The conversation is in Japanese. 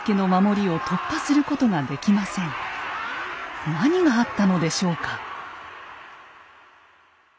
源氏は何があったのでしょうか？